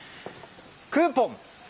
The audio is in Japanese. クーポン。